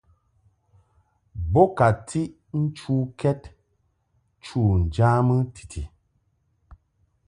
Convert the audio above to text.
Bo ka tiʼ nchukɛd chu ŋjamɨ titi.